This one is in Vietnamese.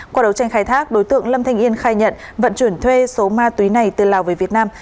qua đấu tranh khai thác đối tượng lâm thanh yên khai nhận vận chuyển thuê số ma túy này từ lào về việt nam